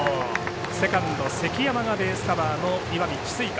セカンド関山がベースカバーの石見智翠館。